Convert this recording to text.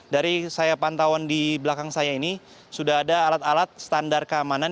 dari saya pantauan di belakang saya ini sudah ada alat alat standar keamanan